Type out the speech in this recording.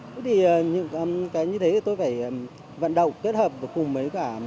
thế thì những cái như thế thì tôi phải vận động kết hợp cùng với cả